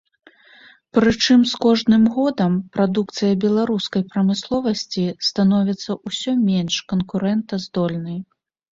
Прычым з кожным годам прадукцыя беларускай прамысловасці становіцца ўсё менш канкурэнтаздольнай.